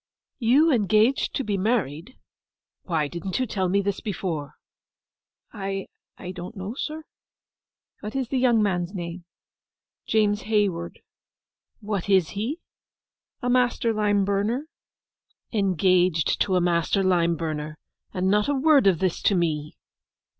—you engaged to be married?—Why didn't you tell me this before?' 'I—I don't know, sir.' 'What is the young man's name?' 'James Hayward.' 'What is he?' 'A master lime burner.' 'Engaged to a master lime burner, and not a word of this to me!